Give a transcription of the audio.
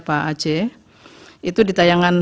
pak aceh itu ditayangan